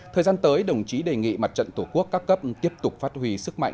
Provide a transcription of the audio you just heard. thời gian tới đồng chí đề nghị mặt trận tổ quốc các cấp tiếp tục phát huy sức mạnh